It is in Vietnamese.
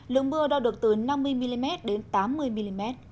lượng mưa đo được từ năm mươi mm đến tám mươi mm